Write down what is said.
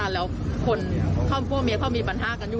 แล้วพวกเมียเขามีปัญหากันอยู่